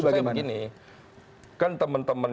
bukan maksud saya begini kan teman teman